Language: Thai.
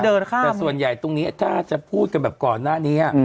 แต่ส่วนใหญ่ตรงนี้ถ้าจะพูดกันแบบก่อนหน้านี้